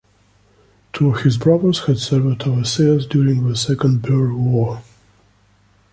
Two of his brothers had served overseas during the Second Boer War.